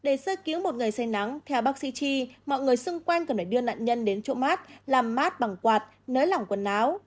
để sơ cứu một ngày say nắng theo bác sĩ chi mọi người xung quanh cần phải đưa nạn nhân đến chỗ mát làm mát bằng quạt nới lỏng quần áo